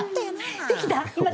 今できた？